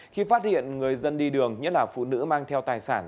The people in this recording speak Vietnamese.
khi phát hiện người dân đi đường nhất là phụ nữ mang theo tài sản